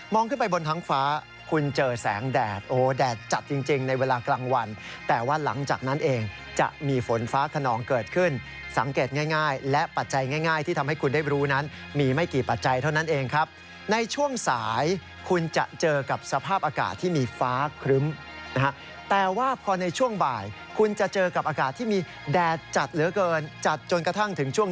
ขึ้นไปบนท้องฟ้าคุณเจอแสงแดดโอ้แดดจัดจริงในเวลากลางวันแต่ว่าหลังจากนั้นเองจะมีฝนฟ้าขนองเกิดขึ้นสังเกตง่ายและปัจจัยง่ายที่ทำให้คุณได้รู้นั้นมีไม่กี่ปัจจัยเท่านั้นเองครับในช่วงสายคุณจะเจอกับสภาพอากาศที่มีฟ้าครึ้มนะฮะแต่ว่าพอในช่วงบ่ายคุณจะเจอกับอากาศที่มีแดดจัดเหลือเกินจัดจนกระทั่งถึงช่วง